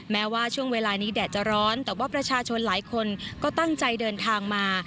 แม้ว่าช่วงเวลานี้แดดจะร้อนแต่ว่าประชาชนหลายคนก็ตั้งใจเดินทางมา